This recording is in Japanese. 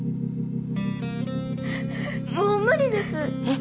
もう無理です。